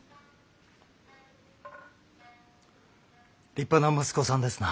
立派な息子さんですな。